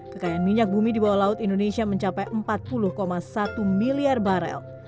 kekayaan minyak bumi di bawah laut indonesia mencapai empat puluh satu miliar barel